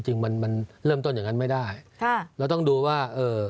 จริงมันเริ่มต้นอย่างนั้นไม่ได้เราต้องดูว่า